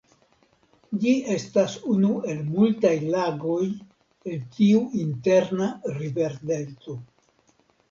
Ĝi estas unu el multaj lagoj el tiu interna riverdelto.